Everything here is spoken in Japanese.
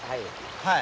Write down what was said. はい。